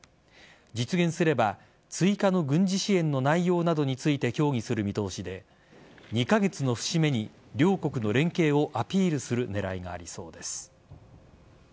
実現すれば追加の軍事支援の内容などについて協議する見通しで２カ月の節目に両国の連携をアピールする狙いがありそうです。